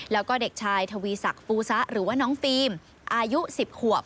แล้วก็เด็กชายทวีศักดิ์ปูซะหรือว่าน้องฟิล์มอายุ๑๐ขวบ